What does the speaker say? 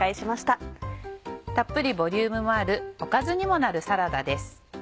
たっぷりボリュームもあるおかずにもなるサラダです。